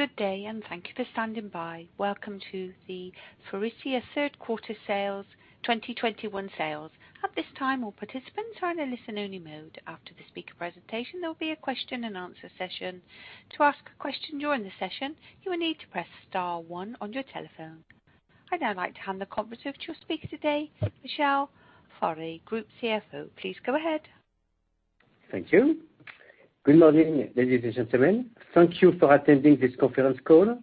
Good day, and thank you for standing by. Welcome to the Faurecia third quarter sales, 2021 sales. At this time, all participants are in a listen-only mode. After the speaker presentation, there will be a question and answer session. To ask a question during the session, you will need to press star one on your telephone. I'd now like to hand the conference over to your speaker today, Michel Favre, Group CFO. Please go ahead. Thank you. Good morning, ladies and gentlemen. Thank you for attending this conference call.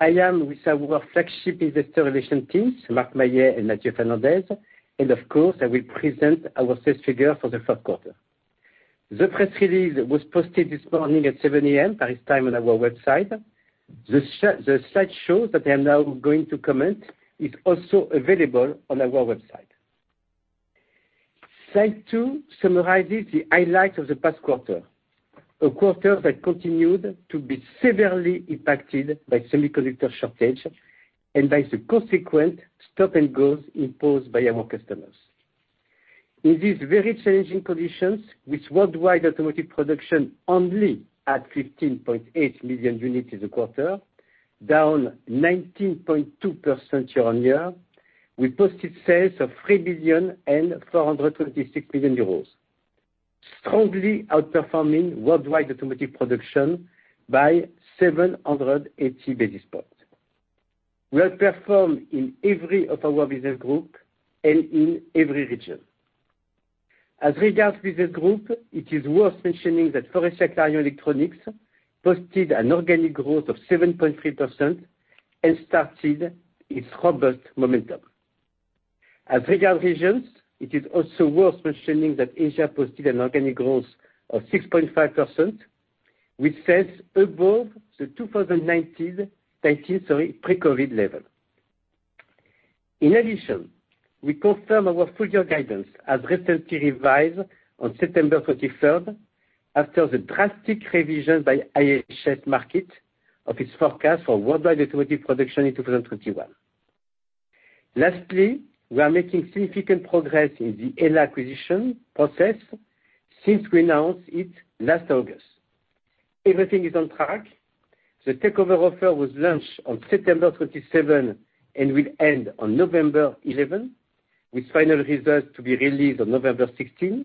I am with our flagship investor relations team, Marc Maillet and Matthieu Fernandez, and of course I will present our sales figure for the third quarter. The press release was posted this morning at 7 A.M. Paris time on our website. The slideshow that I'm now going to comment is also available on our website. Slide two summarizes the highlights of the past quarter. A quarter that continued to be severely impacted by semiconductor shortage and by the consequent stop and goes imposed by our customers. In these very challenging conditions, with worldwide automotive production only at 15.8 million units a quarter, down 19.2% year-on-year, we posted sales of 3.426 billion, strongly outperforming worldwide automotive production by 780 basis points. We have performed in every of our business group and in every region. As regards business group, it is worth mentioning that Faurecia Clarion Electronics posted an organic growth of 7.3% and started its robust momentum. As regards regions, it is also worth mentioning that Asia posted an organic growth of 6.5%, which stands above the 2019 pre-COVID level. In addition, we confirm our full-year guidance as recently revised on September 31st after the drastic revision by IHS Markit of its forecast for worldwide automotive production in 2021. Lastly, we are making significant progress in the HELLA acquisition process since we announced it last August. Everything is on track. The takeover offer was launched on September 27 and will end on November 11, with final results to be released on November 16.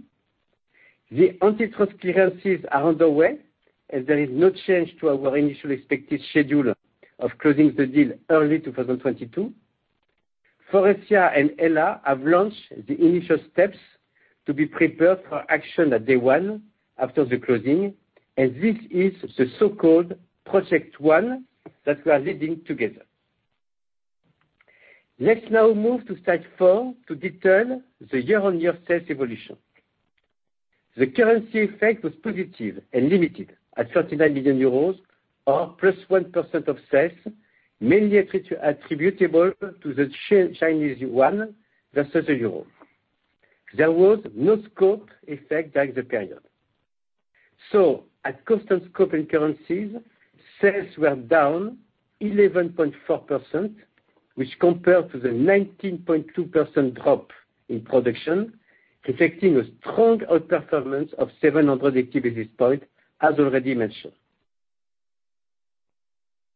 The antitrust clearances are underway, and there is no change to our initial expected schedule of closing the deal early 2022. Faurecia and HELLA have launched the initial steps to be prepared for action at day one after the closing, and this is the so-called Project One that we are leading together. Let's now move to slide four to detail the year-on-year sales evolution. The currency effect was positive and limited at 39 million euros or +1% of sales, mainly attributable to the Chinese yuan versus the euro. There was no scope effect during the period. At constant scope and currencies, sales were down 11.4%, which compared to the 19.2% drop in production, reflecting a strong outperformance of 780 basis points, as already mentioned.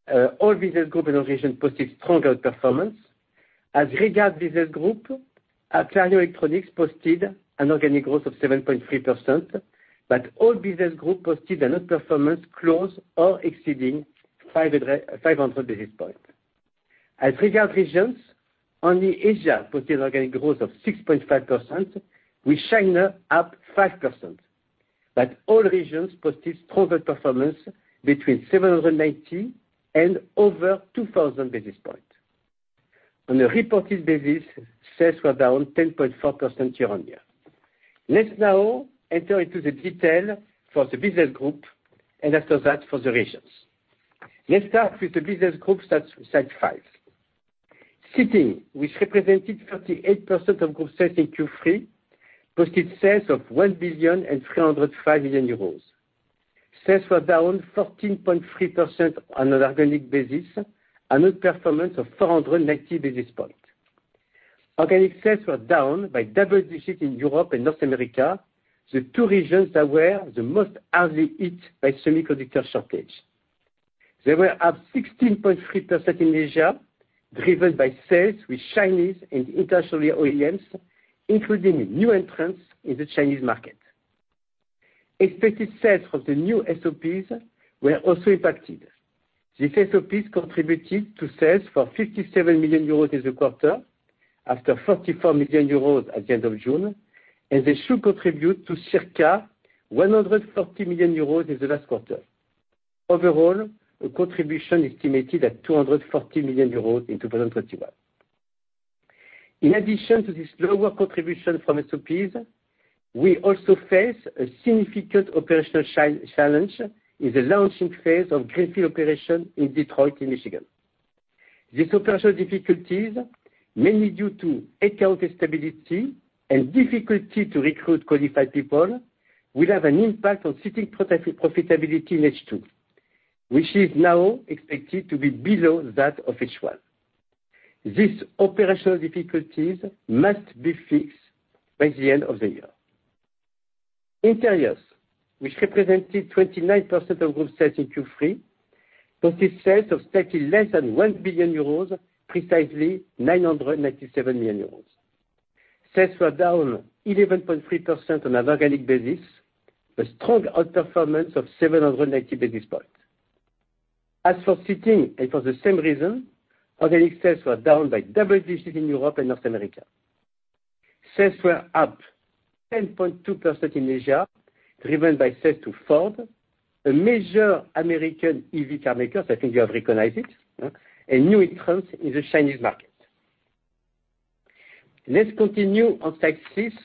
All business groups and regions posted strong outperformance. As regards business groups, Clarion Electronics posted an organic growth of 7.3%, but all business groups posted an outperformance close to or exceeding 500 basis points. As regards regions, only Asia posted organic growth of 6.5%, with China up 5%. All regions posted stronger performance between 790 basis points and over 2,000 basis points. On a reported basis, sales were down 10.4% year-on-year. Let's now enter into the detail for the business groups and after that for the regions. Let's start with the business groups, slide five. Seating, which represented 38% of group sales in Q3, posted sales of 1.305 billion. Sales were down 14.3% on an organic basis, an outperformance of 490 basis points. Organic sales were down by double digits in Europe and North America, the two regions that were the most hard hit by semiconductor shortage. They were up 16.3% in Asia, driven by sales with Chinese and international OEMs, including new entrants in the Chinese market. Expected sales of the new SOPs were also impacted. These SOPs contributed to sales for 57 million euros in the quarter after 44 million euros at the end of June, and they should contribute to circa 140 million euros in the last quarter. Overall, a contribution estimated at 240 million euros in 2021. In addition to this lower contribution from SOPs, we also face a significant operational challenge in the launching phase of greenfield operation in Detroit, Michigan. These operational difficulties, mainly due to account instability and difficulty to recruit qualified people, will have an impact on Seating profitability in H2, which is now expected to be below that of H1. These operational difficulties must be fixed by the end of the year. Interiors, which represented 29% of group sales in Q3, posted sales of slightly less than 1 billion euros, precisely 997 million euros. Sales were down 11.3% on an organic basis, a strong outperformance of 790 basis points. As for Seating, and for the same reason, organic sales were down by double digits in Europe and North America. Sales were up 10.2% in Asia, driven by sales to Ford, a major American EV car maker, I think you have recognized it, huh, a new entrant in the Chinese market. Let's continue on slide six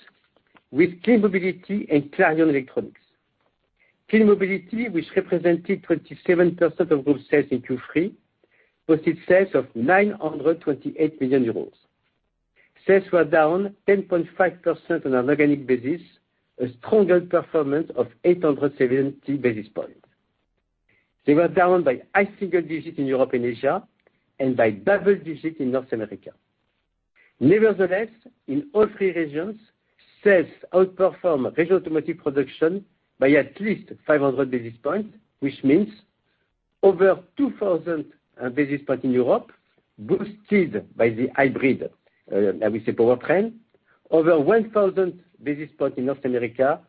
with Clean Mobility and Clarion Electronics. Clean Mobility, which represented 27% of group sales in Q3, posted sales of 928 million euros. Sales were down 10.5% on an organic basis, a stronger performance of 870 basis points. They were down by high single digits in Europe and Asia, and by double digits in North America. Nevertheless, in all three regions, sales outperformed major automotive production by at least 500 basis points, which means over 2,000 basis points in Europe, boosted by the hybrid, I would say, powertrain, over 1,000 basis points in North America,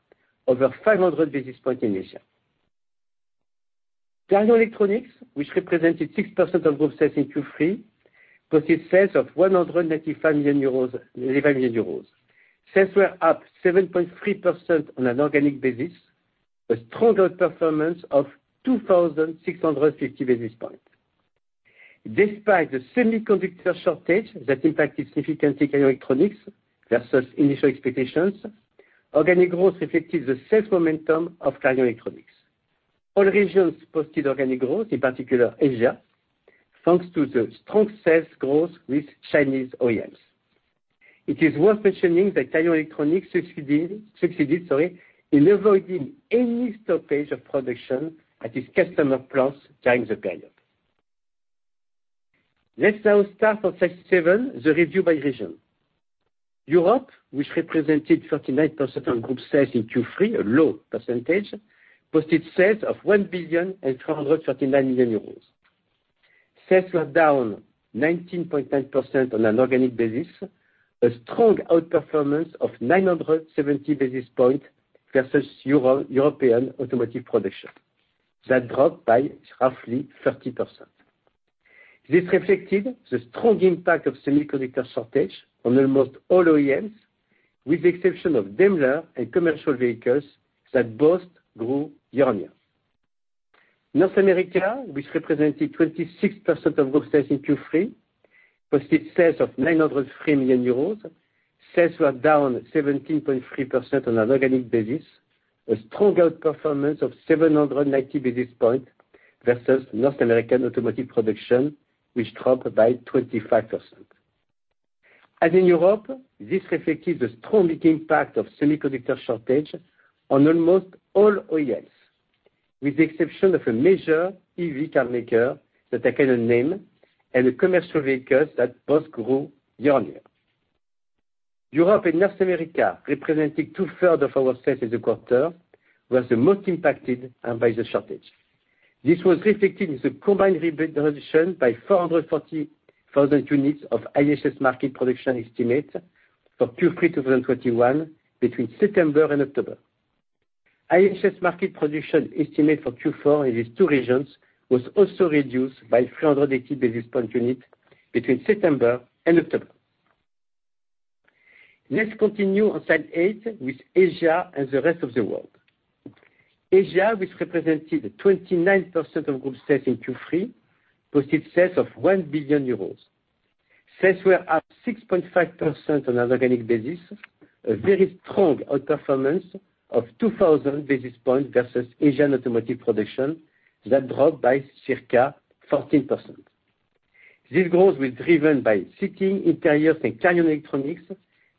over 500 basis points in Asia. Clarion Electronics, which represented 6% of group sales in Q3, posted sales of 195 million euros. Sales were up 7.3% on an organic basis, a stronger performance of 2,650 basis points. Despite the semiconductor shortage that impacted significantly Clarion Electronics versus initial expectations, organic growth reflected the sales momentum of Clarion Electronics. All regions posted organic growth, in particular Asia, thanks to the strong sales growth with Chinese OEMs. It is worth mentioning that Clarion Electronics succeeded, sorry, in avoiding any stoppage of production at its customer plants during the period. Let's now start on slide seven, the review by region. Europe, which represented 39% of group sales in Q3, a low percentage, posted sales of 1,439 million euros. Sales were down 19.9% on an organic basis, a strong outperformance of 970 basis points versus European automotive production that dropped by roughly 30%. This reflected the strong impact of semiconductor shortage on almost all OEMs, with the exception of Daimler and commercial vehicles that both grew year-on-year. North America, which represented 26% of group sales in Q3, posted sales of 903 million euros. Sales were down 17.3% on an organic basis, a strong outperformance of 790 basis points versus North American automotive production, which dropped by 25%. As in Europe, this reflected the strong impact of semiconductor shortage on almost all OEMs, with the exception of a major EV car maker that I cannot name, and the commercial vehicles that both grew year-on-year. Europe and North America, representing two-thirds of our sales in the quarter, was the most impacted by the shortage. This was reflected in the combined reduction by 440,000 units of IHS Markit production estimate for Q3 2021 between September and October. IHS Markit production estimate for Q4 in these two regions was also reduced by 380,000 units between September and October. Let's continue on slide eight with Asia and the rest of the world. Asia, which represented 29% of group sales in Q3, posted sales of 1 billion euros. Sales were up 6.5% on an organic basis, a very strong outperformance of 2,000 basis points versus Asian automotive production that dropped by circa 14%. This growth was driven by Seating, Interiors, and Clarion Electronics,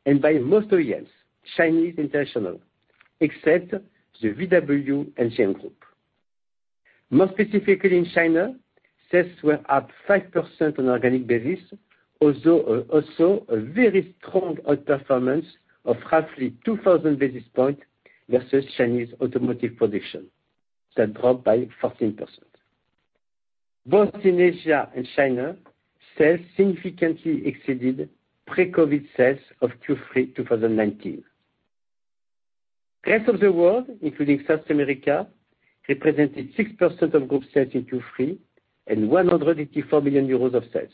and by most OEMs, Chinese and international, except the VW and GM group. More specifically in China, sales were up 5% on an organic basis, also a very strong outperformance of roughly 2,000 basis points versus Chinese automotive production that dropped by 14%. Both in Asia and China, sales significantly exceeded pre-COVID sales of Q3 2019. Rest of the world, including South America, represented 6% of group sales in Q3 and 184 million euros of sales.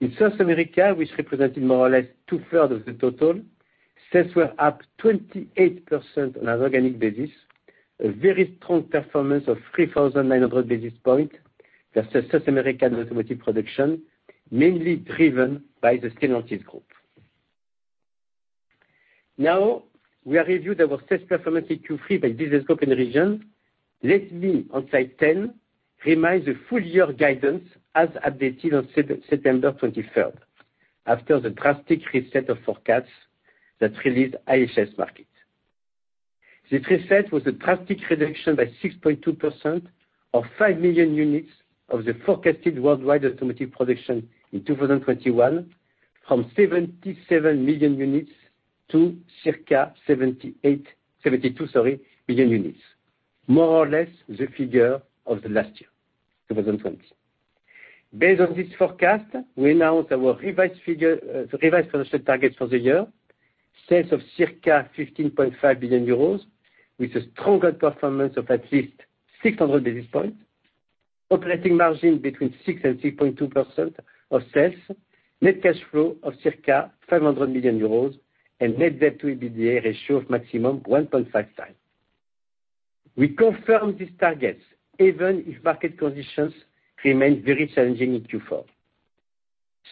In South America, which represented more or less two-thirds of the total, sales were up 28% on an organic basis, a very strong performance of 3,900 basis points versus South American automotive production, mainly driven by the Stellantis group. Now, we have reviewed our sales performance in Q3 by business group and region. Let me, on slide 10, remind the full-year guidance as updated on September 23rd, after the drastic reset of forecasts released by IHS Markit. The effect was a drastic reduction by 6.2% of 5 million units of the forecasted worldwide automotive production in 2021 from 77 million units to circa 72 million units, more or less the figure of the last year, 2020. Based on this forecast, we announced our revised figure, revised financial targets for the year. Sales of circa 15.5 billion euros, with a stronger performance of at least 600 basis points. Operating margin between 6% and 6.2% of sales. Net cash flow of circa 500 million euros, and net debt to EBITDA ratio of maximum 1.5x. We confirm these targets even if market conditions remain very challenging in Q4.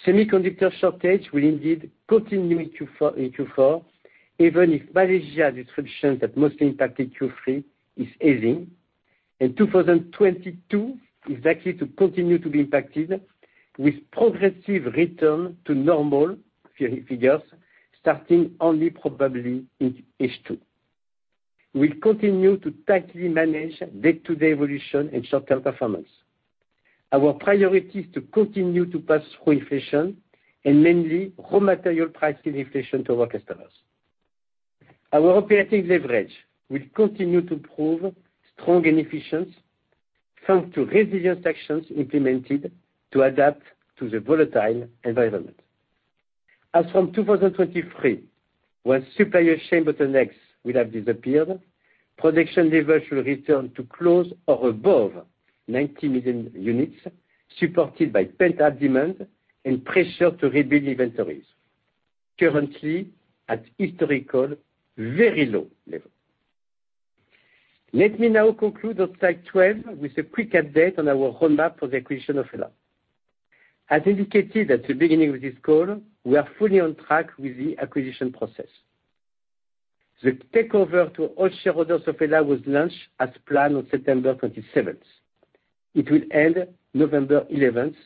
Semiconductor shortage will indeed continue in Q4, even if Malaysia disruptions that mostly impacted Q3 is easing. In 2022 is likely to continue to be impacted with progressive return to normal figures, starting only probably in H2. We'll continue to tightly manage day-to-day evolution and short-term performance. Our priority is to continue to pass through inflation and mainly raw material price inflation to our customers. Our operating leverage will continue to prove strong and efficient, thanks to resilient actions implemented to adapt to the volatile environment. As from 2023, when supply chain bottlenecks will have disappeared, production levels should return to close or above 90 million units, supported by pent-up demand and pressure to rebuild inventories currently at historical very low level. Let me now conclude on slide 12 with a quick update on our roadmap for the acquisition of HELLA. As indicated at the beginning of this call, we are fully on track with the acquisition process. The takeover to all shareholders of HELLA was launched as planned on September 27. It will end November 11,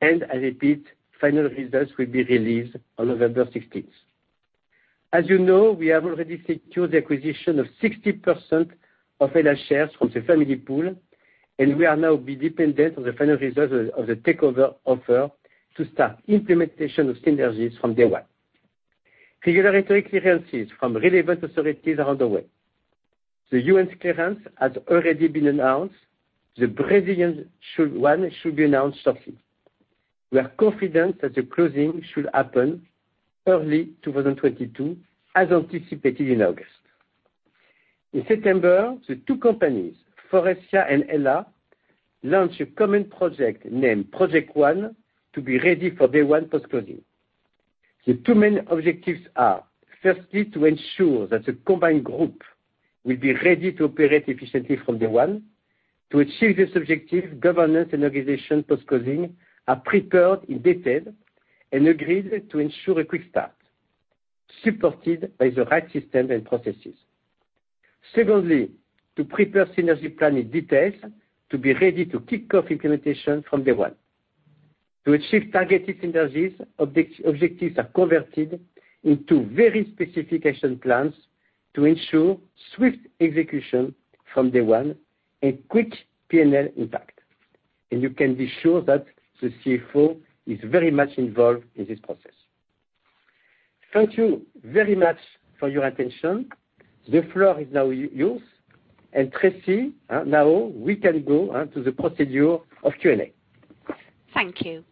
and I repeat, final results will be released on November 16. As you know, we have already secured the acquisition of 60% of HELLA shares from the family pool, and we are now be dependent on the final results of the takeover offer to start implementation of synergies from day one. Regulatory clearances from relevant authorities are underway. The UN's clearance has already been announced. The Brazilian one should be announced shortly. We are confident that the closing should happen early 2022 as anticipated in August. In September, the two companies, Faurecia and HELLA, launched a common project named Project One to be ready for day one post-closing. The two main objectives are, firstly, to ensure that the combined group will be ready to operate efficiently from day one. To achieve this objective, governance and organization post-closing are prepared in detail and agreed to ensure a quick start, supported by the right systems and processes. Secondly, to prepare synergy plan in detail to be ready to kick off implementation from day one. To achieve targeted synergies, objectives are converted into very specific plans to ensure swift execution from day one and quick P&L impact. You can be sure that the CFO is very much involved in this process. Thank you very much for your attention. The floor is now yours. Tracy, now we can go to the procedure of Q&A. Thank you.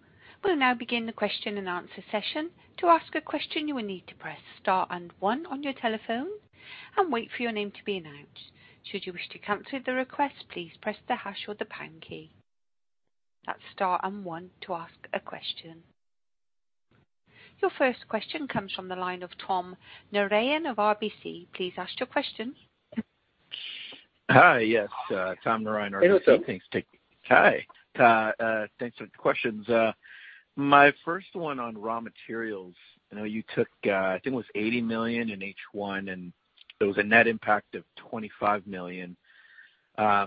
We'll now begin the question-and-answer session. To ask a question, you will need to press star and one on your telephone and wait for your name to be announced. Should you wish to cancel the request, please press the hash or the pound key. That's star and one to ask a question. Your first question comes from the line of Tom Narayan of RBC. Please ask your question. Hi. Yes, Tom Narayan, RBC. Hello, Tom. Thanks, Tak. Hi. Thanks for the questions. My first one on raw materials. I know you took, I think it was 80 million in H1, and there was a net impact of 25 million. I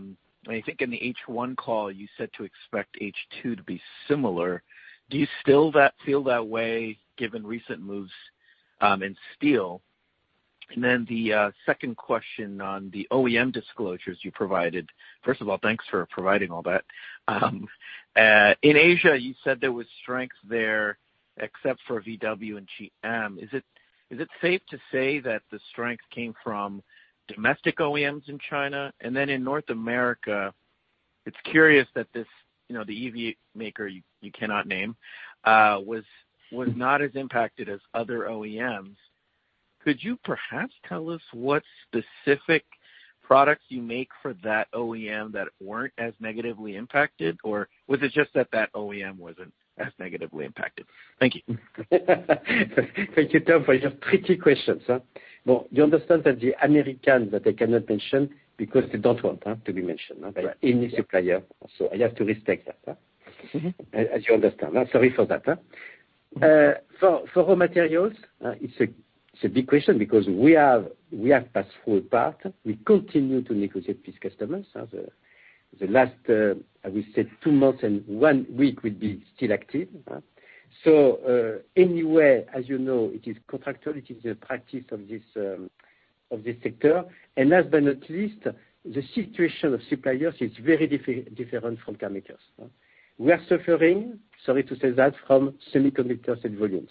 think in the H1 call, you said to expect H2 to be similar. Do you still feel that way given recent moves in steel? The second question on the OEM disclosures you provided. First of all, thanks for providing all that. In Asia, you said there was strength there except for VW and GM. Is it safe to say that the strength came from domestic OEMs in China? In North America, it's curious that this, you know, the EV maker you cannot name was not as impacted as other OEMs. Could you perhaps tell us what specific products you make for that OEM that weren't as negatively impacted? Or was it just that that OEM wasn't as negatively impacted? Thank you. Thank you, Tom, for your tricky questions. Well, you understand that the American that I cannot mention because they don't want to be mentioned. Right. Yeah. any supplier. I have to respect that. Mm-hmm As you understand. I'm sorry for that. For raw materials, it's a big question because we have passed through part. We continue to negotiate with customers as the last, I will say two months and one week will be still active. Uh. As you know, it is contractual. It is a practice of this sector. Last but not least, the situation of suppliers is very different from chemicals. We are suffering, sorry to say that, from semiconductors and volumes.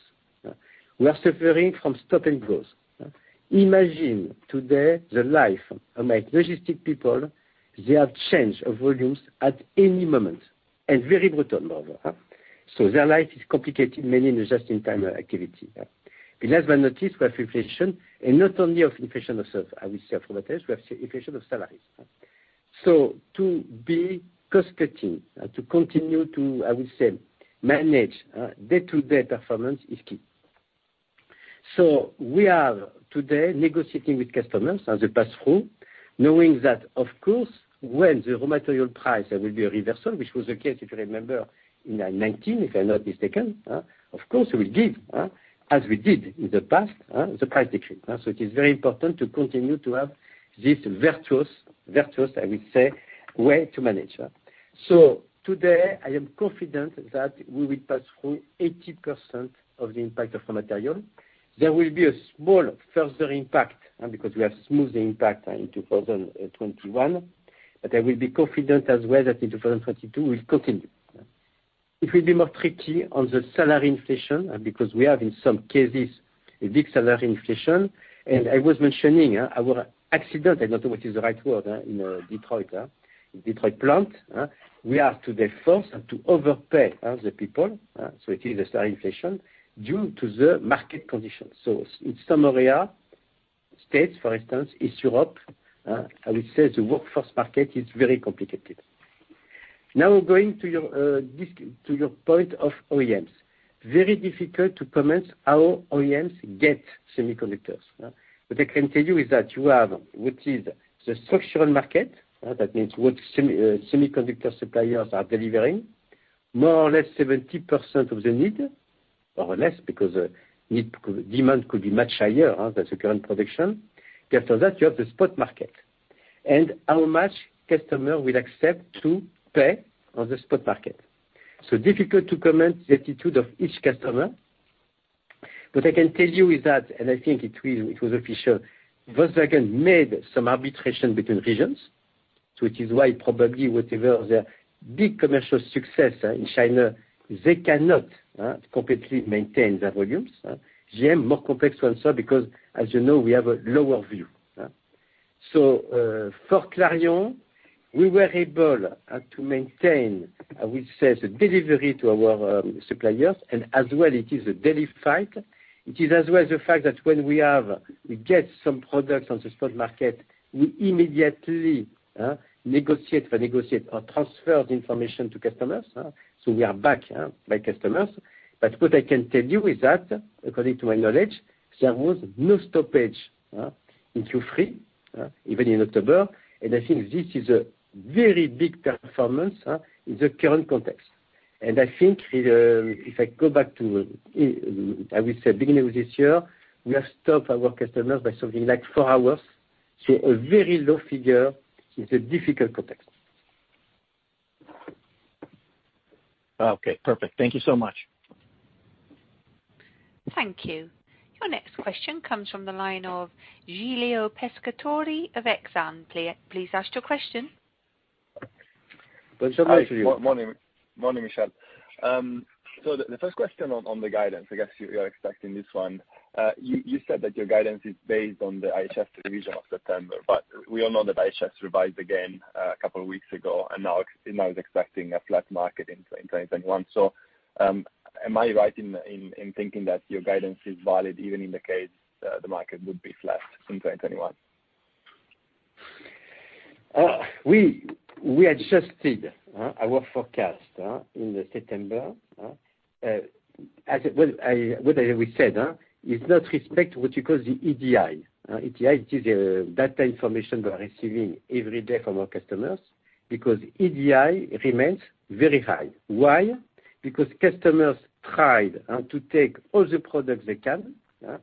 We are suffering from stopping growth. Imagine today the life of my logistic people, they have change of volumes at any moment, and very brutal, moreover. Their life is complicated, mainly in the just-in-time activity. Last but not least, we have inflation, and not only inflation itself, I will say, of raw materials, we have inflation of salaries. To be cost-cutting, to continue to, I will say, manage day-to-day performance is key. We are today negotiating with customers as a pass-through, knowing that of course, when the raw material price there will be a reversal, which was the case, if you remember, in 2019, if I'm not mistaken. Of course, we give, as we did in the past, the price decrease. It is very important to continue to have this virtuous, I will say, way to manage. Today, I am confident that we will pass through 80% of the impact of raw material. There will be a small further impact, because we have smoothed the impact in 2021, but I will be confident as well that in 2022, we'll continue. It will be more tricky on the salary inflation, because we have in some cases a big salary inflation. I was mentioning our accident. I don't know what is the right word in Detroit plant. We are today forced to overpay the people, so it is a salary inflation due to the market conditions. In some area, states for instance, East Europe, I will say the workforce market is very complicated. Now going to your to your point of OEMs. Very difficult to comment how OEMs get semiconductors. What I can tell you is that you have what is the structural market, that means what semiconductor suppliers are delivering, more or less 70% of the need or less because demand could be much higher than the current production. After that, you have the spot market. How much customer will accept to pay on the spot market. It is difficult to comment on the attitude of each customer. What I can tell you is that it was official. Volkswagen made some arbitration between regions. It is why probably whatever their big commercial success in China, they cannot completely maintain their volumes. GM, more complex one, sir, because as you know, we have a lower view. For Clarion, we were able to maintain. I will say the delivery to our suppliers, and as well it is a daily fight. It is as well the fact that when we get some products on the spot market, we immediately negotiate or transfer the information to customers. We are back by customers. What I can tell you is that, according to my knowledge, there was no stoppage in Q3, even in October, and I think this is a very big performance in the current context. I think if I go back to, I will say, beginning of this year, we have stopped for our customers by something like four hours. A very low figure in a difficult context. Okay, perfect. Thank you so much. Thank you. Your next question comes from the line of Giulio Pescatore of Exane. Please ask your question. Bonjour, Giulio. Hi. Morning. Morning, Michel. The first question on the guidance, I guess you are expecting this one. You said that your guidance is based on the IHS revision of September, but we all know that IHS revised again a couple of weeks ago and now Exane is expecting a flat market in 2021. Am I right in thinking that your guidance is valid even in the case the market would be flat in 2021? We adjusted our forecast in September. As I already said, it does not reflect what you call the EDI. EDI, it is data information we are receiving every day from our customers, because EDI remains very high. Why? Because customers try to take all the products they can, yeah.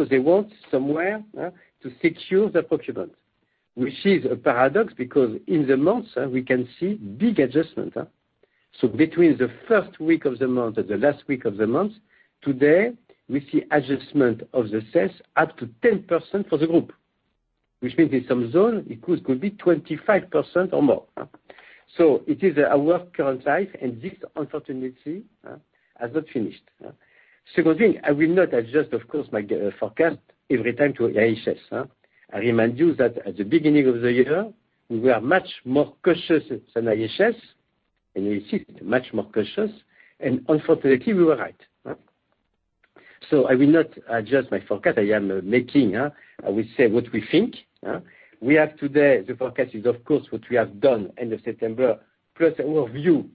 They want somehow to secure the procurement, which is a paradox, because in the months, we can see big adjustments. Between the first week of the month and the last week of the month, today we see adjustments in sales up to 10% for the group, which means in some zones it could be 25% or more. It is our current situation, and this unfortunately has not finished. Second thing, I will not adjust, of course, my forecast every time to IHS. I remind you that at the beginning of the year, we were much more cautious than IHS, and you see much more cautious, and unfortunately, we were right. I will not adjust my forecast. I will say what we think. We have today the forecast is of course what we have done end of September, plus our view,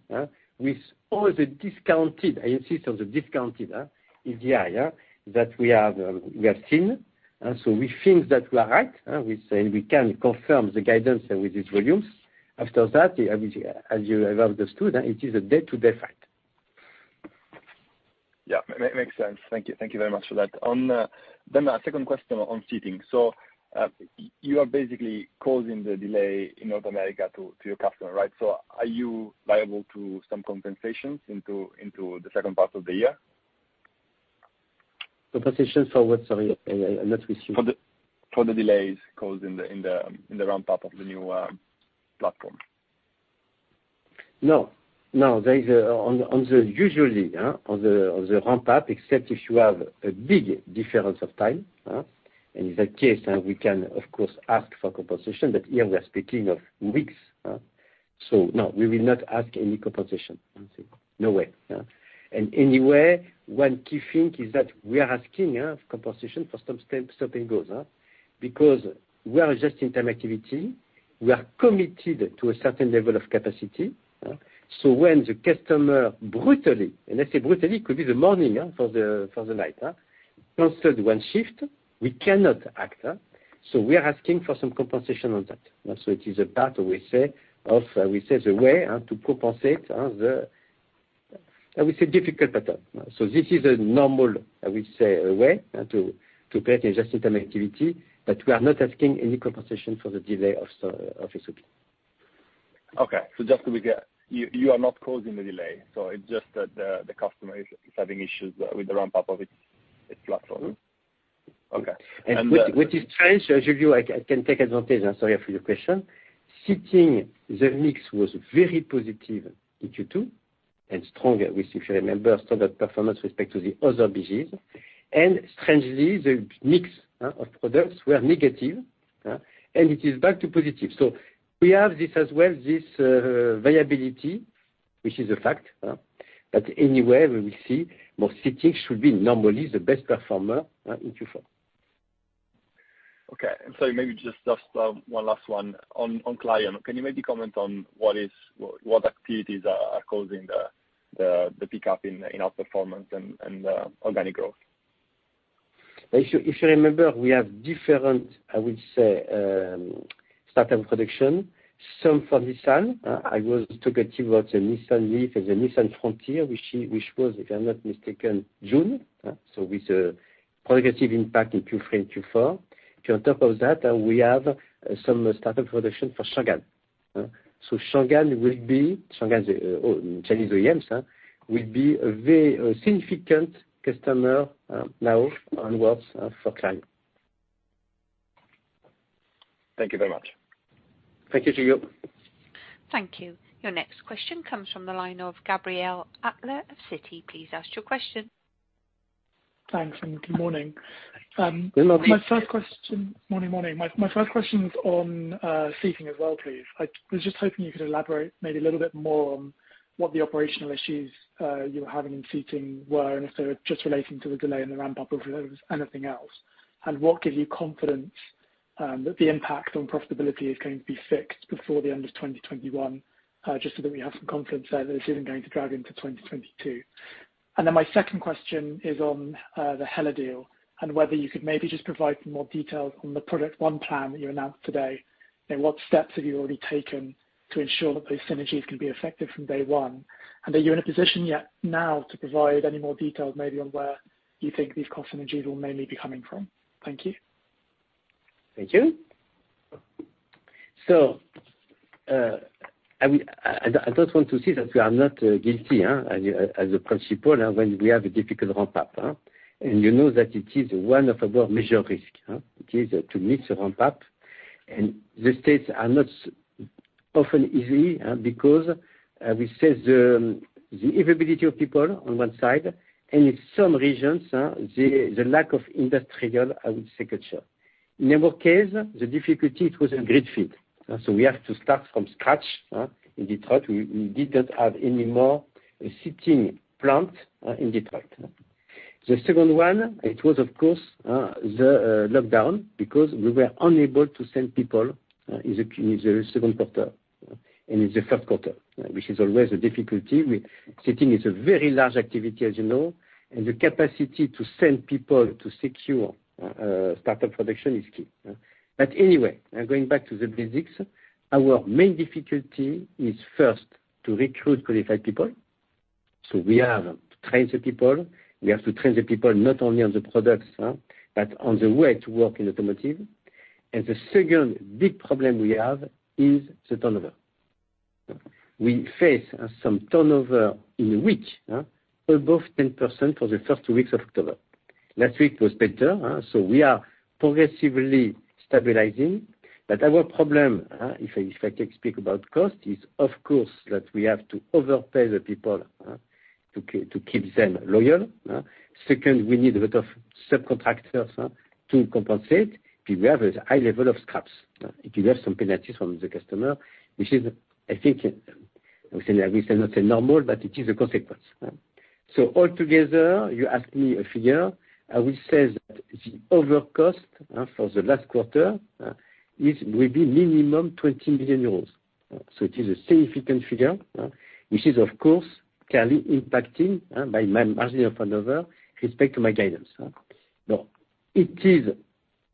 with all the discounted, I insist on the discounted, EDI, yeah, that we have seen. We think that we are right. We say we can confirm the guidance with these volumes. After that, as you have understood, it is a day-to-day fact. Yeah. Makes sense. Thank you. Thank you very much for that. A second question on Seating. You are basically causing the delay in North America to your customer, right? Are you liable to some compensations into the second part of the year? Compensation for what, sorry? I'm not with you. For the delays caused in the ramp up of the new platform. No. On the usual ramp up, except if you have a big difference of time, and in that case, we can of course ask for compensation, but here we are speaking of weeks, so no, we will not ask any compensation. No way. Anyway, one key thing is that we are asking compensation for when something goes up, because we are adjusting to the activity. We are committed to a certain level of capacity, so when the customer brutally, and I say brutally, could be the morning for the night canceled one shift, we cannot act. We are asking for some compensation on that. It is a part, we say, of the way to compensate the, I would say, difficult pattern. This is a normal, I would say, way to create and adjust item activity, but we are not asking any compensation for the delay of SOP. Okay. Just to be clear, you are not causing the delay. It's just that the customer is having issues with the ramp-up of its platform. Mm-hmm. Okay. I'm sorry for your question. Seating, the mix was very positive in Q2, and stronger, which if you remember, standard performance with respect to the other business. Strangely, the mix of products were negative, and it is back to positive. We have this as well, this variability, which is a fact, but anyway, we will see. More seating should be normally the best performer in Q4. Okay. Maybe just one last one. On Clarion, can you maybe comment on what activities are causing the pickup in outperformance and organic growth? If you remember, we have different, I would say, startup production. Some for Nissan. I was talking to you about the Nissan Leaf and the Nissan Frontier, which was, if I'm not mistaken, June. So with a progressive impact in Q3 and Q4. If you're on top of that, we have some startup production for Changan. So Changan's Chinese OEMs will be a very significant customer now onwards for Clarion. Thank you very much. Thank you, Giulio. Thank you. Your next question comes from the line of Gabriel Adler of Citi. Please ask your question. Thanks, and good morning. Good morning. Morning. My first question is on seating as well, please. I was just hoping you could elaborate maybe a little bit more on what the operational issues you were having in seating were, and if they were just relating to the delay in the ramp-up or if there was anything else. What gives you confidence that the impact on profitability is going to be fixed before the end of 2021, just so that we have some confidence that it isn't going to drag into 2022. My second question is on the HELLA deal, and whether you could maybe just provide some more details on the Project One plan that you announced today. You know, what steps have you already taken to ensure that those synergies can be effective from day one? Are you in a position yet now to provide any more details maybe on where you think these cost synergies will mainly be coming from? Thank you. Thank you. I mean, I don't want to say that we are not guilty, as a principal when we have a difficult ramp-up, and you know that it is one of our major risks is to miss a ramp-up. The starts are not often easy, because the availability of people on one side and in some regions, the lack of industrial, I would say, culture. In our case, the difficulty was a greenfield. We have to start from scratch in Detroit. We didn't have any more Seating plant in Detroit. The second one was of course the lockdown because we were unable to send people in the second quarter, and in the third quarter, which is always a difficulty with Seating is a very large activity, as you know, and the capacity to send people to secure startup production is key. Anyway, now going back to the basics, our main difficulty is first to recruit qualified people. We have to train the people. We have to train the people not only on the products, but on the way to work in automotive. The second big problem we have is the turnover. We face some turnover in a week above 10% for the first two weeks of October. Last week was better, so we are progressively stabilizing. Our problem, if I can speak about cost, is of course that we have to overpay the people to keep them loyal. Second, we need a lot of subcontractors to compensate. We have a high level of scraps. If you have some penalties from the customer, which is, I think, we say not normal, but it is a consequence. All together, you ask me a figure, I will say that the overcost for the last quarter will be minimum 20 million euros. It is a significant figure which is of course clearly impacting my margin of turnover with respect to my guidance. No. It is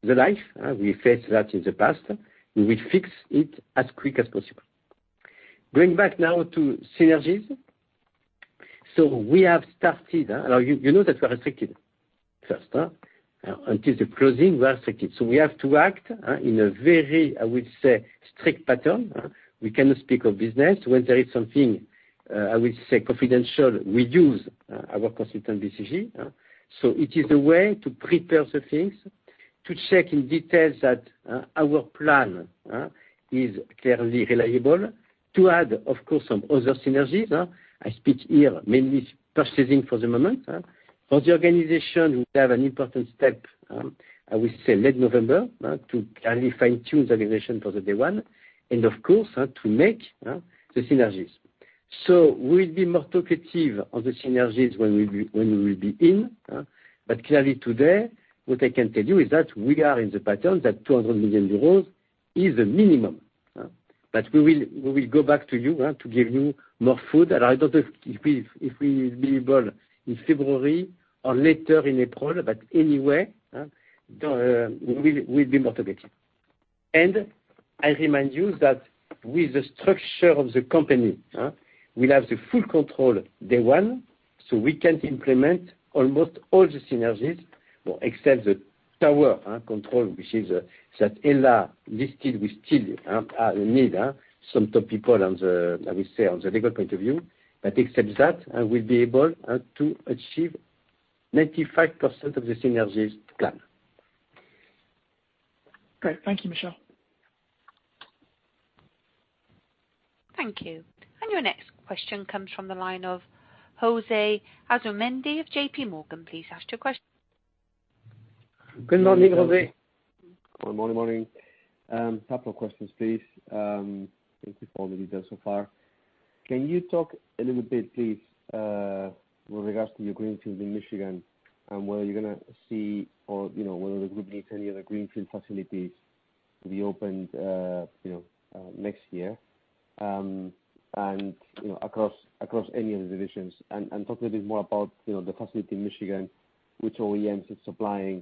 the life we faced that in the past. We will fix it as quick as possible. Going back now to synergies. We have started now you know that we're restricted first. Until the closing, we are restricted. We have to act in a very, I would say strict pattern. We cannot speak of business. When there is something I would say confidential, we use our consultant BCG. It is the way to prepare the things, to check in details that our plan is clearly reliable. To add, of course, some other synergies. I speak here mainly purchasing for the moment. For the organization, we have an important step, I would say mid-November, to clearly fine-tune the organization for the day one and of course to make the synergies. We'll be more talkative on the synergies when we will be in. Clearly today, what I can tell you is that we are in the ballpark that 200 million euros is the minimum. We will go back to you to give you more food. I don't know if we will be able in February or later in April, but anyway, we'll be more talkative. I remind you that with the structure of the company, we'll have full control day one, so we can implement almost all the synergies. Well, except the tower control, which is HELLA listed. We still need some top people on the, I will say, on the legal point of view. Except that, I will be able to achieve 95% of the synergies planned. Great. Thank you, Michel. Thank you. Your next question comes from the line of Jose Asumendi of JPMorgan. Please ask your ques- Good morning, Jose. Good morning. Couple of questions, please. Thank you for all the details so far. Can you talk a little bit, please, with regards to your greenfield in Michigan and whether you're gonna see or you know whether the group needs any other greenfield facilities to be opened, you know, next year and you know across any of the divisions. Talk a little bit more about you know the facility in Michigan, which OEMs it's supplying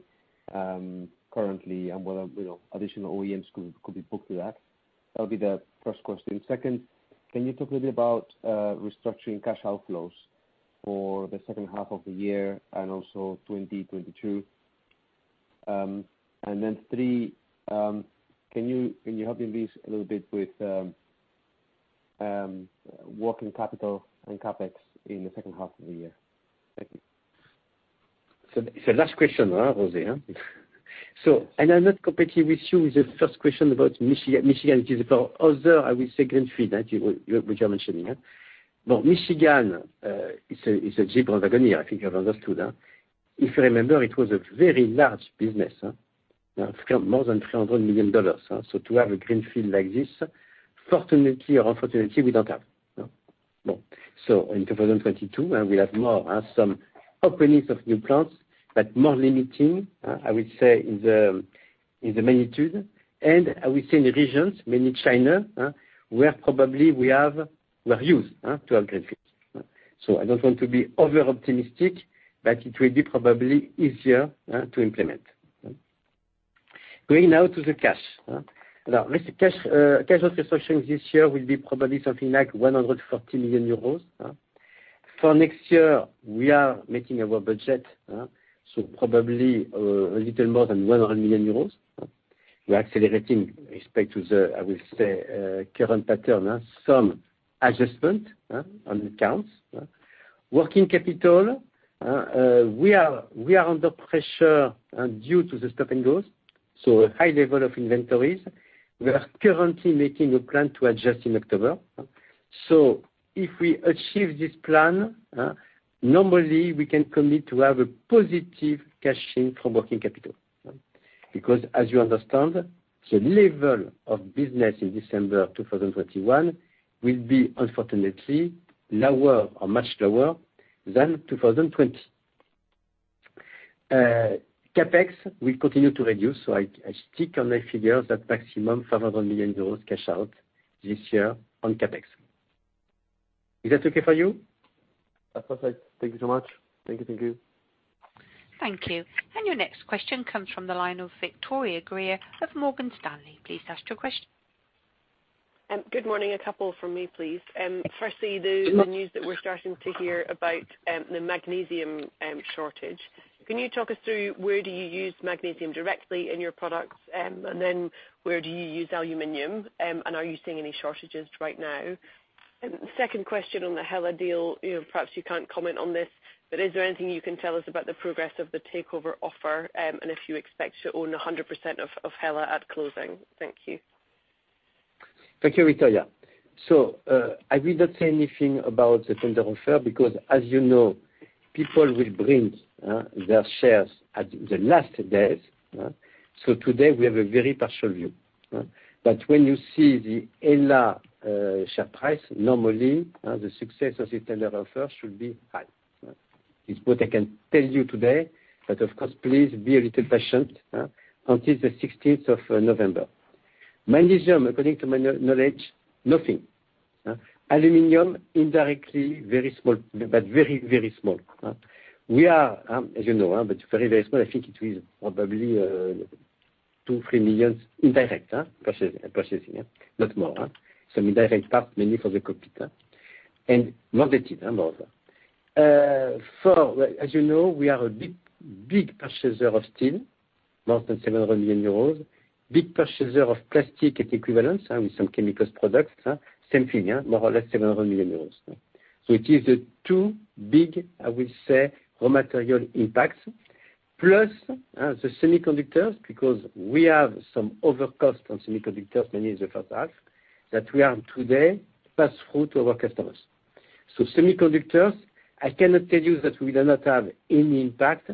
currently and whether you know additional OEMs could be booked through that. That would be the first question. Second, can you talk a little bit about restructuring cash outflows for the second half of the year and also 2020, 2022? Three, can you help me please a little bit with working capital and CapEx in the second half of the year? Thank you. Last question, José? I'm not completely with you with the first question about Michigan. It is for other. I will say greenfield you which you're mentioning. But Michigan is a Jeep Wrangler. I think you have understood. If you remember, it was a very large business. Now, more than $300 million. To have a greenfield like this, fortunately or unfortunately, we don't have. Well, in 2022, we'll have more some openings of new plants, but more limiting. I would say in the magnitude. I will say in the regions, mainly China, where probably we'll use to have greenfield. I don't want to be over-optimistic, but it will be probably easier to implement. Going now to the cash. Now, cash flow construction this year will be probably something like 140 million euros. For next year, we are making our budget, so probably a little more than 100 million euros. We are accelerating with respect to the, I will say, current pattern, some adjustment on accounts. Working capital, we are under pressure due to the stop-and-go's, so a high level of inventories. We are currently making a plan to adjust in October. If we achieve this plan, normally we can commit to have a positive cash in from working capital. Because as you understand, the level of business in December of 2021 will be unfortunately lower or much lower than 2020. CapEx will continue to reduce, so I stick on my figures that maximum 500 million euros cash out this year on CapEx. Is that okay for you? That's perfect. Thank you so much. Thank you. Thank you. Thank you. Your next question comes from the line of Victoria Greer of Morgan Stanley. Please ask your question. Good morning. A couple from me, please. Firstly, Yes. The news that we're starting to hear about, the magnesium shortage. Can you talk us through where do you use magnesium directly in your products? And then where do you use aluminum, and are you seeing any shortages right now? Second question on the HELLA deal, you know, perhaps you can't comment on this, but is there anything you can tell us about the progress of the takeover offer, and if you expect to own 100% of HELLA at closing? Thank you. Thank you, Victoria. I will not say anything about the tender offer because, as you know, people will bring their shares at the last days. Today we have a very partial view. When you see the HELLA share price, normally, the success of the tender offer should be high. It's what I can tell you today, but of course, please be a little patient until the 16th of November. Magnesium, according to my knowledge, nothing. Aluminum, indirectly very small, but very, very small. We are, as you know, but very, very small. I think it is probably $2 million-$3 million indirect purchasing, yeah, not more. Some indirect parts mainly for the cockpit. More detail, moreover. As you know, we are a big, big purchaser of steel, more than 700 million euros. Big purchaser of plastic equivalents with some chemicals products, same thing, more or less 700 million euros. It is the two big, I will say, raw material impacts, plus, the semiconductors because we have some overcost on semiconductors, mainly in the first half, that we are today pass through to our customers. Semiconductors, I cannot tell you that we do not have any impact,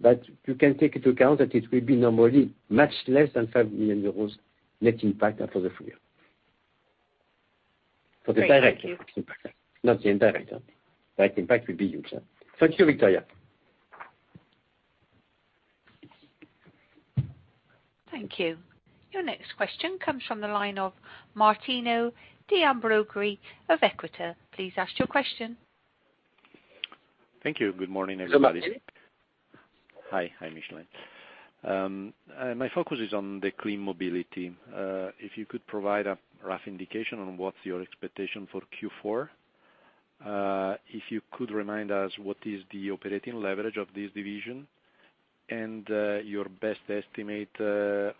but you can take into account that it will be normally much less than 5 million euros net impact after the full year. Great. Thank you. For the direct impact, not the indirect. Direct impact will be huge. Thank you, Victoria. Thank you. Your next question comes from the line of Martino De Ambroggi of Equita. Please ask your question. Thank you. Good morning, everybody. Good morning. Hi. Hi, Michel. My focus is on Clean Mobility. If you could provide a rough indication on what's your expectation for Q4, if you could remind us what is the operating leverage of this division and, your best estimate,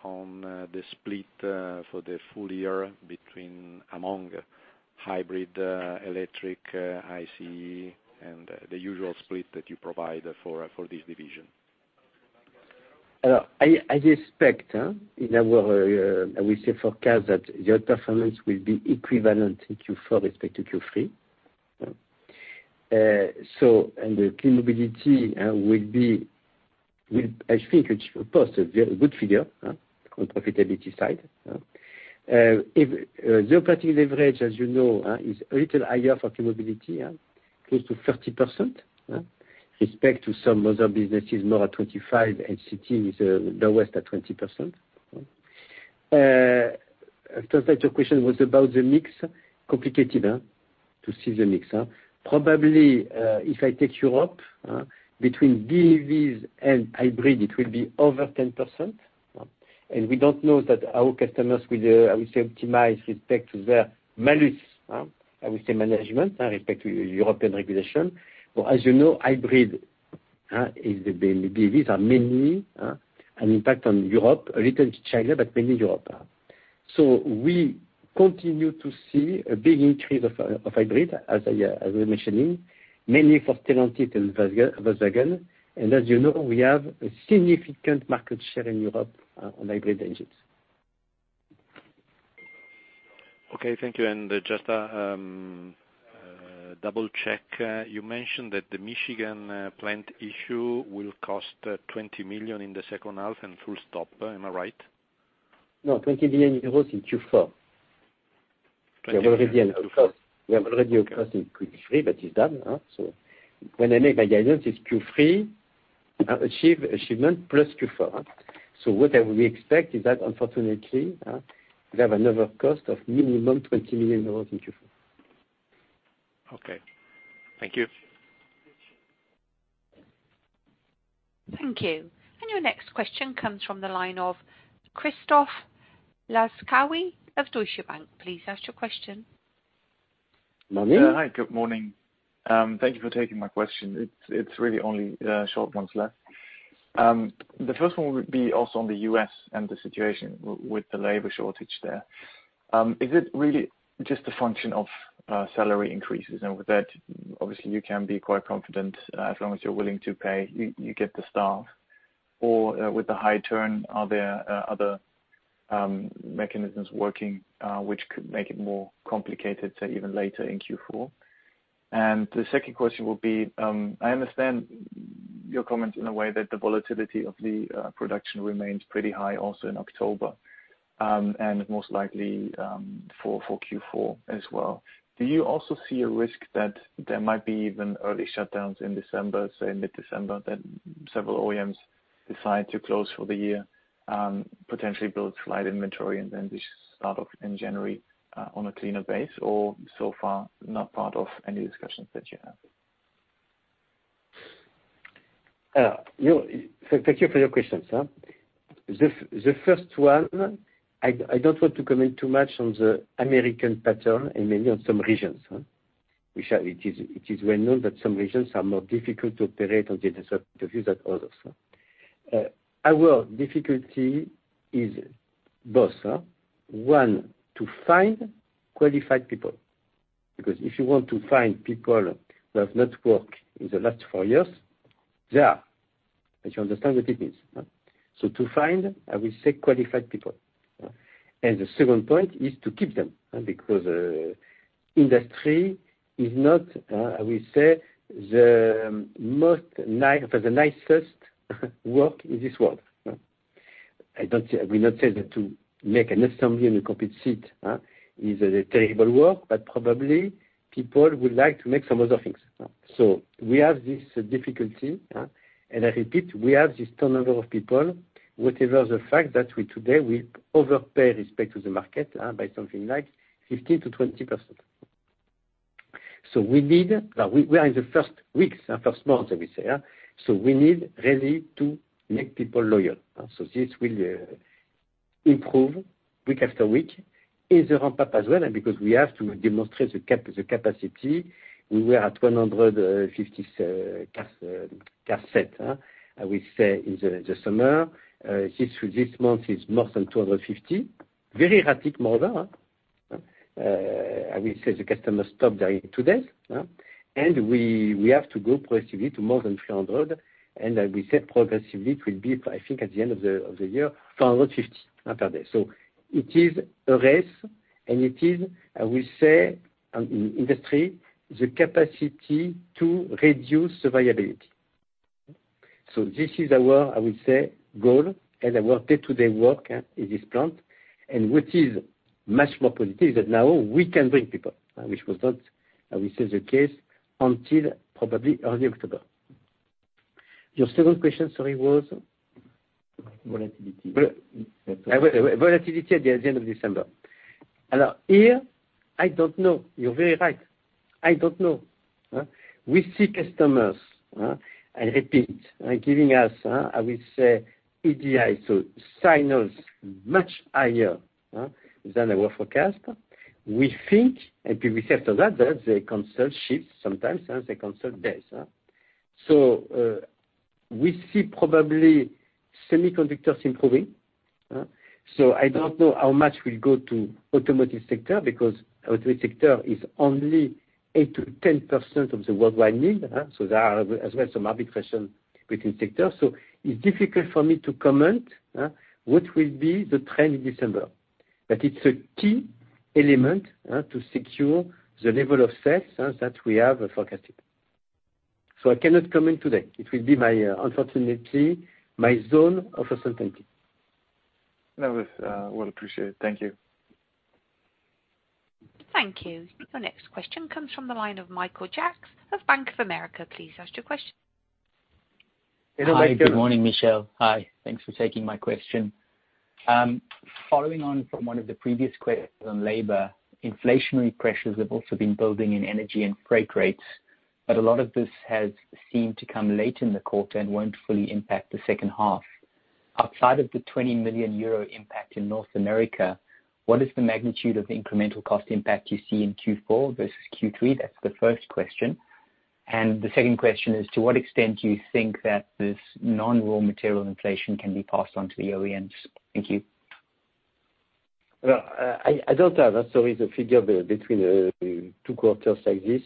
on, the split, for the full year among hybrid, electric, ICE, and the usual split that you provide for this division. I expect in our we say forecast that your performance will be equivalent in Q4 respect to Q3. The Clean Mobility will I think post a very good figure on profitability side. The operating leverage, as you know, is a little higher for Clean Mobility, close to 30%, respect to some other businesses, more at 25%, and Seating is the lowest at 20%. Second question was about the mix. Complicated to see the mix. Probably, if I take Europe, between BEVs and Hybrid, it will be over 10%. We don't know that our customers will I would say optimize respect to their CAFE I would say management respect to European regulation. As you know, the BEVs are mainly an impact on Europe, a little in China, but mainly Europe. We continue to see a big increase of hybrid, as we're mentioning, mainly for Stellantis and Volkswagen. As you know, we have a significant market share in Europe on hybrid engines. Okay, thank you. Just a double-check. You mentioned that the Michigan plant issue will cost 20 million in the second half and full stop. Am I right? No, 20 million euros in Q4. EUR 20 million in Q4. We have already a cost in Q3, but it's done. When I make my guidance, it's Q3 achievement plus Q4. What I would expect is that, unfortunately, we have another cost of minimum 20 million euros in Q4. Okay. Thank you. Thank you. Your next question comes from the line of Christoph Laskawi of Deutsche Bank. Please ask your question. Morning. Hi. Good morning. Thank you for taking my question. It's really only short ones left. The first one would be also on the U.S. and the situation with the labor shortage there. Is it really just a function of salary increases? And with that, obviously, you can be quite confident as long as you're willing to pay, you get the staff. Or with the high turnover, are there other mechanisms working which could make it more complicated, say, even later in Q4? And the second question would be, I understand your comment in a way that the volatility of the production remains pretty high also in October and most likely for Q4 as well. Do you also see a risk that there might be even early shutdowns in December, say mid-December, that several OEMs decide to close for the year, potentially build slight inventory and then just start off in January, on a cleaner base or so far not part of any discussions that you have? Thank you for your questions. The first one, I don't want to comment too much on the American market and maybe on some regions. It is well known that some regions are more difficult to operate in the industries than others. Our difficulty is both. One, to find qualified people, because if you want to find people who have not worked in the last four years, they are, and you understand what it means. To find, I will say qualified people. The second point is to keep them, because industry is not, I will say, the nicest work in this world. I will not say that to make an assembly on a complete seat is a terrible work, but probably people would like to make some other things. We have this difficulty, and I repeat, we have this turnover of people, whatever the fact that we today, we overpay respect to the market by something like 15%-20%. Now we are in the first weeks, first months that we say, so we need really to make people loyal. This will improve week after week in the ramp-up as well. Because we have to demonstrate the capacity, we were at 250 s-cars car set, I would say in the summer. Six weeks months is more than 250. Very rapid model, I will say the customer stopped during two days. We have to go progressively to more than 300. Like we said, progressively it will be for, I think, at the end of the year, 450 per day. It is a race and it is, I will say, in industry, the capacity to reduce variability. This is our, I will say, goal and our day-to-day work, yeah, in this plant. What is much more positive is that now we can bring people, which was not, I will say, the case until probably early October. Your second question, sorry, was? Volatility. Volatility at the end of December. Here, I don't know. You're very right. I don't know. We see customers, I repeat, are giving us, I will say, EDI, so signals much higher than our forecast. We think, and people say after that they cancel shifts sometimes, they cancel days. We see probably semiconductors improving, so I don't know how much will go to automotive sector because automotive sector is only 8%-10% of the worldwide need, so there are as well some arbitrage between sectors. It's difficult for me to comment what will be the trend in December. But it's a key element to secure the level of sales that we have forecasted. I cannot comment today. It will be, unfortunately, my zone of uncertainty. That was, well appreciated. Thank you. Thank you. Your next question comes from the line of Michael Jacks of Bank of America. Please ask your question. Hi. Good morning, Michel. Hi. Thanks for taking my question. Following on from one of the previous questions on labor, inflationary pressures have also been building in energy and freight rates, but a lot of this has seemed to come late in the quarter and won't fully impact the second half. Outside of the 20 million euro impact in North America, what is the magnitude of the incremental cost impact you see in Q4 versus Q3? That's the first question. The second question is, to what extent do you think that this non-raw material inflation can be passed on to the OEMs? Thank you. Well, I don't have the figure between two quarters like this.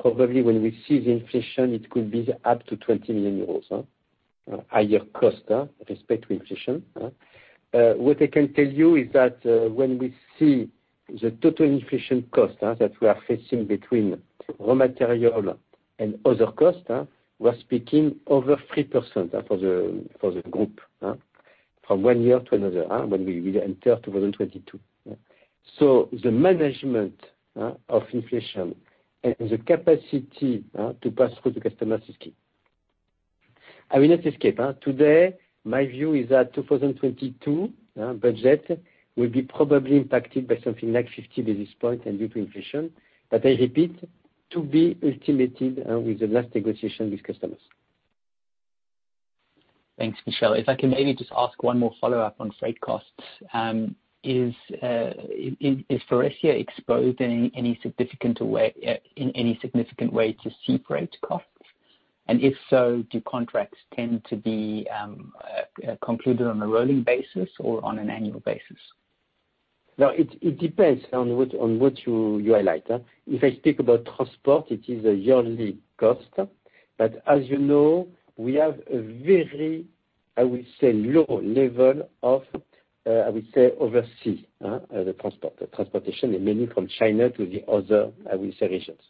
Probably when we see the inflation, it could be up to 20 million euros higher cost with respect to inflation. What I can tell you is that when we see the total inflation cost that we are facing between raw material and other costs, we're speaking over 3% for the group from one year to another when we enter 2022. The management of inflation and the capacity to pass through the customer is key. Today my view is that 2022 budget will be probably impacted by something like 50 basis points due to inflation. I repeat, to be estimated with the last negotiation with customers. Thanks, Michel. If I can maybe just ask one more follow-up on freight costs. Is Faurecia exposed in any significant way to sea freight costs? If so, do contracts tend to be concluded on a rolling basis or on an annual basis? No, it depends on what you highlight. If I speak about transport, it is a yearly cost. As you know, we have a very, I would say, low level of, I would say, overseas transportation, and mainly from China to the other regions.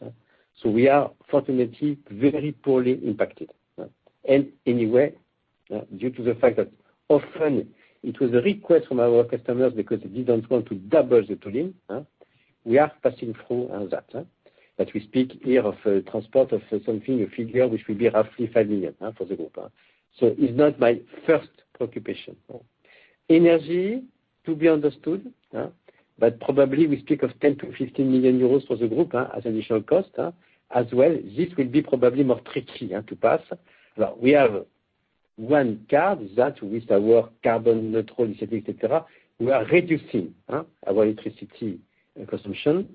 We are fortunately very poorly impacted. Anyway, due to the fact that often it was a request from our customers because they didn't want to double the tooling, we are passing through on that. We speak here of a transport of something, a figure which will be roughly 5 million for the group. It's not my first preoccupation. Energy, to be understood, but probably we speak of 10 million-15 million euros for the group, as initial cost. As well, this will be probably more tricky to pass. Well, we have one car that with our carbon neutral, etc., we are reducing our electricity consumption.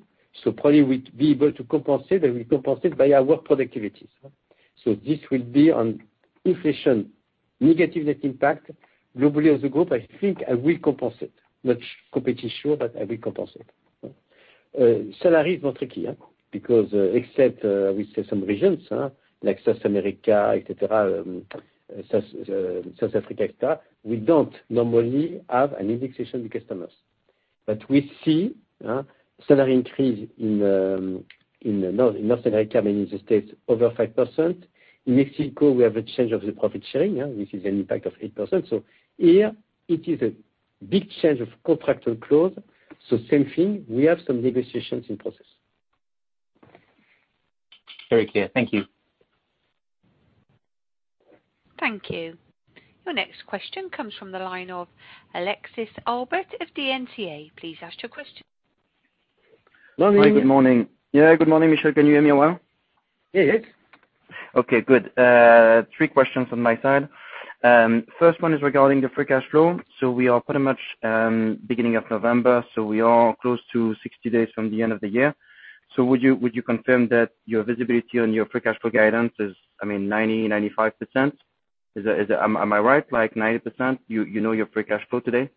Probably we'd be able to compensate and we compensate by our work productivities. This will be an inflation negative net impact. Globally as a group, I think I will compensate. Not completely sure, but I will compensate. Salary is more tricky because except we say some regions like South America, etc., South Africa, we don't normally have an indexation with customers. We see salary increase in North America, I mean in the States, over 5%. In Mexico, we have a change of the profit sharing, which is an impact of 8%. Here it is a big change of contractual clause. Same thing, we have some negotiations in process. Very clear. Thank you. Thank you. Your next question comes from the line of Alexis Albert of DNCA. Please ask your question. Hi, good morning. Yeah, good morning, Michel. Can you hear me well? Yes. Okay, good. Three questions on my side. First one is regarding the free cash flow. We are pretty much beginning of November, so we are close to 60 days from the end of the year. Would you confirm that your visibility on your free cash flow guidance is, I mean, 90%-95%? Am I right, like 90% you know your free cash flow today?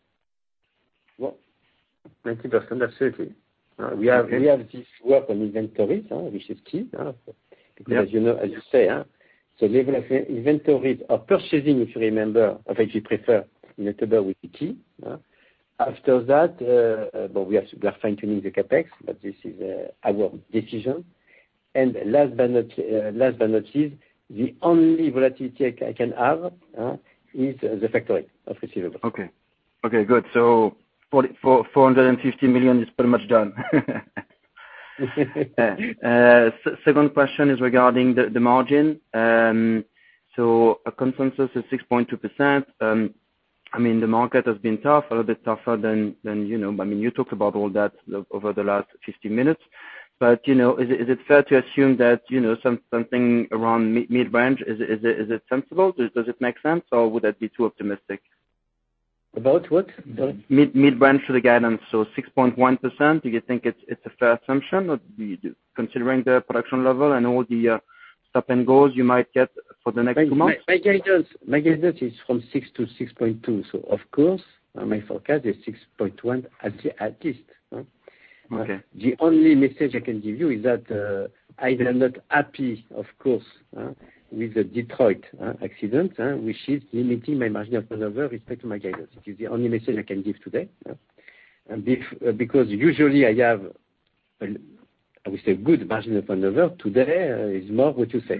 Well, 90%, absolutely. We have this work on inventories, which is key. Because as you know, as you say, level of inventories are purchasing, if you remember, or if you prefer, in October with the key. After that, well, we are fine-tuning the CapEx, but this is our decision. Last but not least, the only volatility I can have is the factoring of receivables. Okay. Good. 440 million-450 million is pretty much done. Second question is regarding the margin. A consensus is 6.2%. I mean, the market has been tough, a little bit tougher than you know. I mean, you talked about all that over the last 50 minutes. You know, is it fair to assume that you know, something around mid-range, is it sensible? Does it make sense or would that be too optimistic? About what? Sorry. Mid-range for the guidance. 6.1%, do you think it's a fair assumption, considering the production level and all the stop and goes you might get for the next two months? My guidance is from 6% to 6.2%. Of course, my forecast is 6.1% at least. Okay. The only message I can give you is that I am not happy, of course, with the Detroit accident, which is limiting my margin of maneuver with respect to my guidance. It is the only message I can give today. Because usually I have, I would say, good margin of maneuver. Today is more what you say.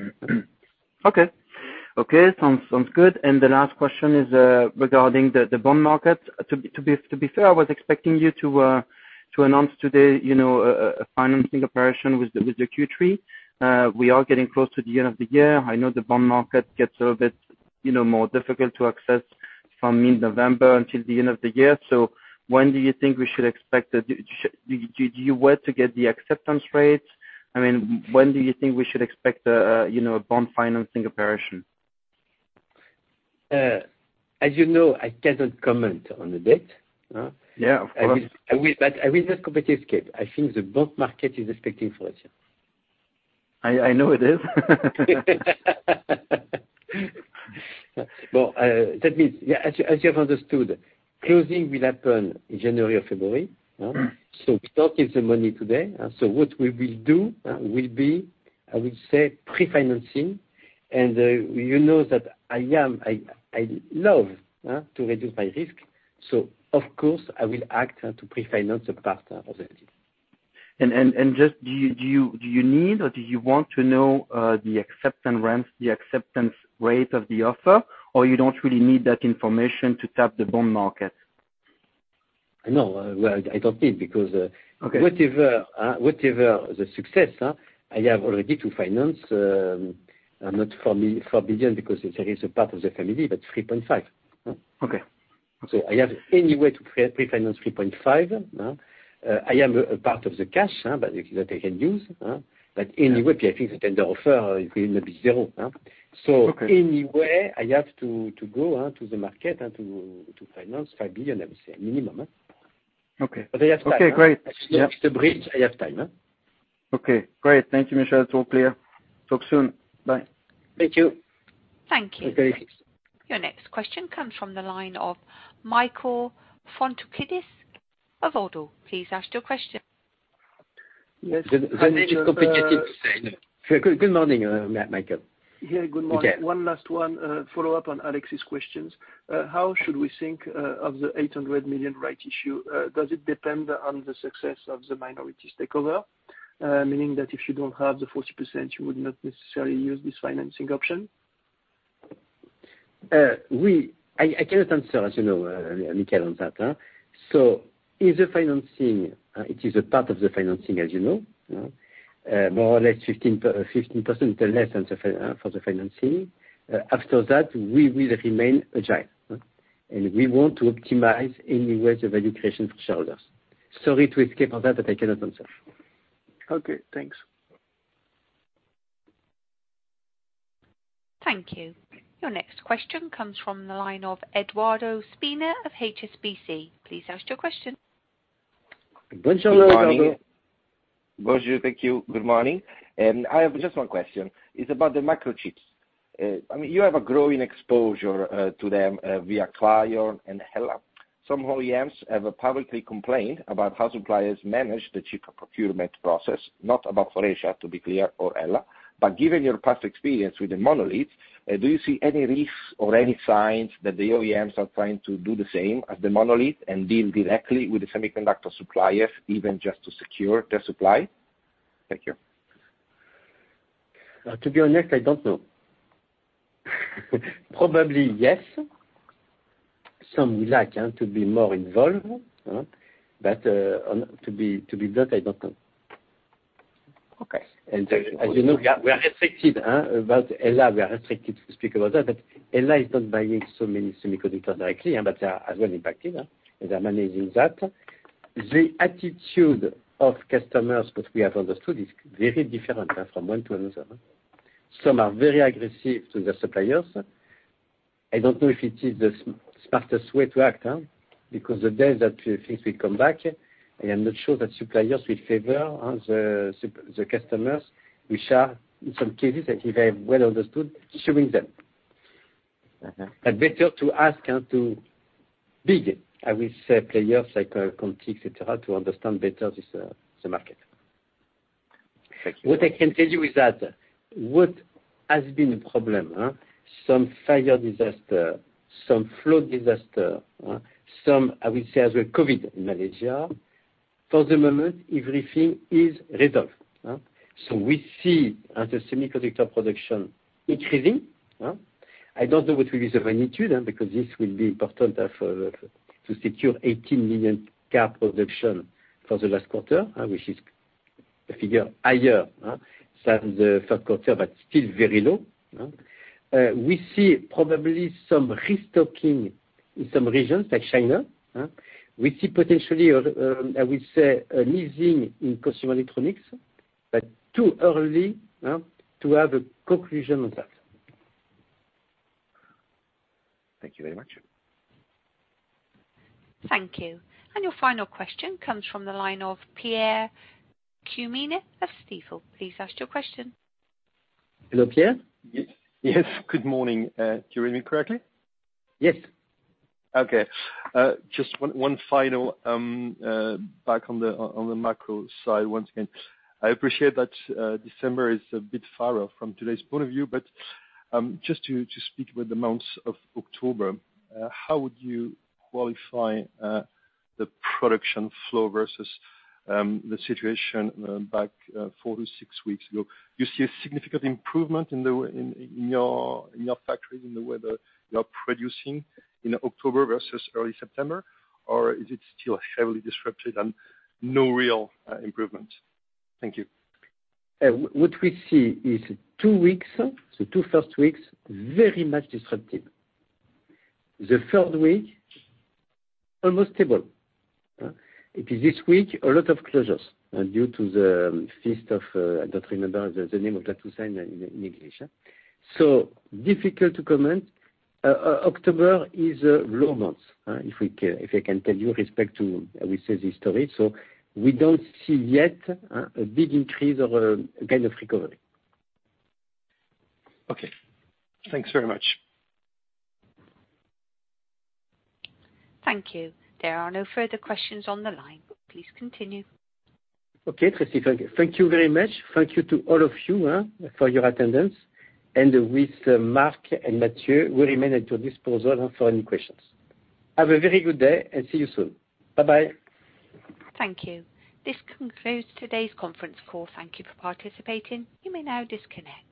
Okay, sounds good. The last question is regarding the bond market. To be fair, I was expecting you to announce today a financing operation with the Q3. We are getting close to the end of the year. I know the bond market gets a little bit more difficult to access from mid-November until the end of the year. When do you think we should expect the acceptance rates? Do you wait to get the acceptance rates? When do you think we should expect a bond financing operation? As you know, I cannot comment on the date. Yeah, of course. I will, but I will just completely escape. I think the bond market is expecting for it, yeah. I know it is. Well, that means as you have understood, closing will happen in January or February. We don't give the money today. What we will do will be, I would say, pre-financing. You know that I love to reduce my risk. Of course, I will act to pre-finance the part of it. Just do you need or do you want to know the acceptance rate of the offer, or you don't really need that information to tap the bond market? No, well, I don't need because. Okay. Whatever the success, I have already to finance not 4 billion, because there is a part of the family, but 3.5 billion. Okay. I have a way to pre-finance 3.5. I have a part of the cash that I can use, but anyway, I think the tender offer will be zero. Okay. Anyway, I have to go to the market and to finance EUR 5 billion, I would say a minimum. Okay. I have time. Okay, great. Yeah. I still have to bridge. I have time. Okay, great. Thank you, Michel. It's all clear. Talk soon. Bye. Thank you. Thank you. Okay. Your next question comes from the line of Michael Foundoukidis of Oddo. Please ask your question. The, the- Hi, Michel. Good morning, Michael. Yeah. Good morning. Yeah. One last one, follow up on Alexis' questions. How should we think of the 800 million rights issue? Does it depend on the success of the minority takeover? Meaning that if you don't have the 40%, you would not necessarily use this financing option. I cannot answer, as you know, Michael, on that. The financing, it is a part of the financing, as you know. More or less 15% less than the financing. After that, we will remain agile. We want to optimize any ways of value creation for shareholders. Sorry to escape on that, but I cannot answer. Okay, thanks. Thank you. Your next question comes from the line of Edoardo Spina of HSBC. Please ask your question. Bonjour, Edoardo. Good morning. Bonjour [French]. Thank you. Good morning. I have just one question. It's about the microchips. I mean, you have a growing exposure to them via Clarion and HELLA. Some OEMs have publicly complained about how suppliers manage the chip procurement process, not about Faurecia, to be clear, or HELLA. Given your past experience with the monozukuri, do you see any risks or any signs that the OEMs are trying to do the same as the monozukuri and deal directly with the semiconductor suppliers, even just to secure their supply? Thank you. To be honest, I don't know. Probably, yes. Some would like to be more involved, but to be blunt, I don't know. Okay. As you know, we are restricted about HELLA. We are restricted to speak about that, but HELLA is not buying so many semiconductors directly, but they are as well impacted, and they're managing that. The attitude of customers that we have understood is very different from one to another. Some are very aggressive to their suppliers. I don't know if it is the smartest way to act, because the days that things will come back, I am not sure that suppliers will favor the customers which are, in some cases, if I have well understood, suing them. Mm-hmm. Better to ask the bidders, I'll say players like Continental, et cetera, to understand better this, the market. Thank you very much. What I can tell you is that what has been a problem. Some fire disaster, some flood disaster, some, I will say, as well, COVID in Malaysia. For the moment, everything is resolved. So we see as a semiconductor production increasing. I don't know what will be the magnitude, because this will be important to secure 18 million car production for the last quarter, which is a figure higher than the third quarter, but still very low. We see probably some restocking in some regions like China. We see potentially, I will say an easing in consumer electronics, but too early to have a conclusion on that. Thank you very much. Thank you. Your final question comes from the line of Pierre-Yves Quemener of Stifel. Please ask your question. Hello, Pierre. Yes, good morning. Do you hear me correctly? Yes. Okay. Just one final back on the macro side once again. I appreciate that December is a bit far off from today's point of view, but just to speak with the months of October, how would you qualify the production flow versus the situation back four-six weeks ago? You see a significant improvement in your factories in the way that you are producing in October versus early September? Or is it still heavily disrupted and no real improvement? Thank you. What we see is the first two weeks very much disrupted. The third week, almost stable. It is this week, a lot of closures due to the feast of Toussaint, I don't remember the name of that in English. Difficult to comment. October is a low month, if I can tell you, with respect to, as we say, this story. We don't see yet a big increase or a kind of recovery. Okay. Thanks very much. Thank you. There are no further questions on the line. Please continue. Okay. Thank you very much. Thank you to all of you for your attendance. With Marc and Matthieu, we remain at your disposal for any questions. Have a very good day and see you soon. Bye-bye. Thank you. This concludes today's conference call. Thank you for participating. You may now disconnect.